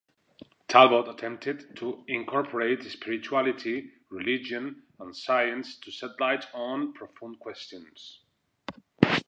Talbot attempted to incorporate spirituality, religion and science to shed light on profound questions.